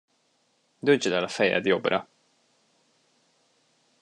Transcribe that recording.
Döntsd el a fejed jobbra.